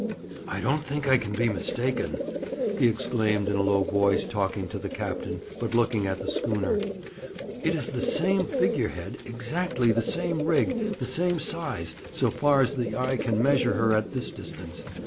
'I don't think I can be mistaken,' he exclaimed in a low voice, talking to the captain, but looking at the schooner. 'It is the same figure head, exactly the same rig, the same size, so far as the eye can measure her at this distance.